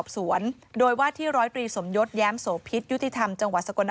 โปรดติดตามต่างกรรมโปรดติดตามต่างกรรม